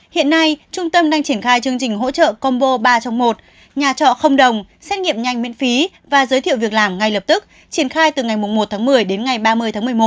hiện nay trung tâm đang triển khai chương trình hỗ trợ combo ba trong một nhà trọ không đồng xét nghiệm nhanh miễn phí và giới thiệu việc làm ngay lập tức triển khai từ ngày một tháng một mươi đến ngày ba mươi tháng một mươi một